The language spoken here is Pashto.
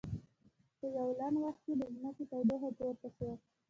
په یوه لنډ وخت کې د ځمکې تودوخه پورته شوه.